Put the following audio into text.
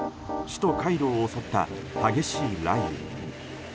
首都カイロを襲った激しい雷雨。